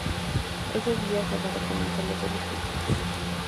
El día sábado comienzan las series libres.